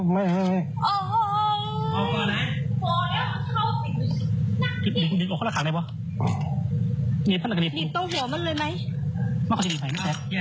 มันควรจะถ่ายไม่แสดง